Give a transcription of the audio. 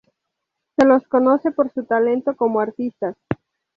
Se los conoce por su talento como artistas.